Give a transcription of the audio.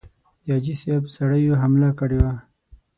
د حاجي صاحب سړیو حمله کړې وه.